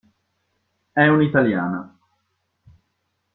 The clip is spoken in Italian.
È un'italiana.